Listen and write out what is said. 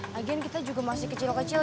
lagian kita juga masih kecil kecil